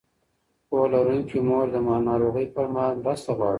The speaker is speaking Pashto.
پوهه لرونکې مور د ناروغۍ پر مهال مرسته غواړي.